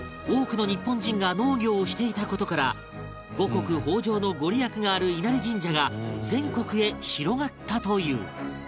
多くの日本人が農業をしていた事から五穀豊穣の御利益がある稲荷神社が全国へ広がったという